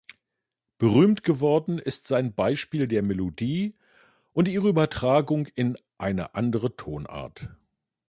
Berühmt geworden ist sein Beispiel der Melodie und ihrer Übertragung in eine andere Tonart.